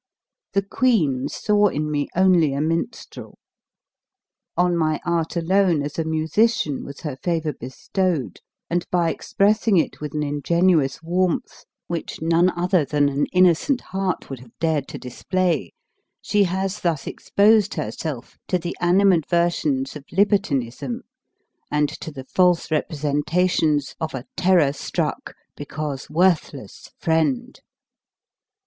The queen saw in me only a minstrel; on my art alone as a musician was her favor bestowed; and by expressing it with an ingenuous warmth which none other than an innocent heart would have dared to display, she has thus exposed herself to the animadversions of libertinism, and to the false representations of a terror struck, because worthless, friend.